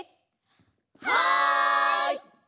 はい！